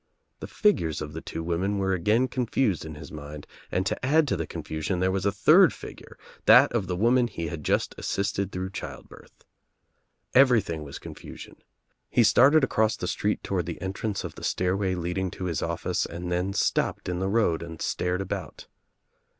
The figures of the two women were again confused in his mind and to add to the confusion there was a third figure, that of the woman he had just assisted through child birth. Every thing was confusion. He started across the street toward the entrance of the stairway leading to his office and then stopped in the road and stared ahou*.